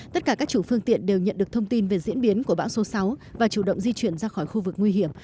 tất cả các chủ phương tiện đều nhận được thông tin về diễn biến của bão số sáu và chủ động di chuyển ra khỏi khu vực nguy hiểm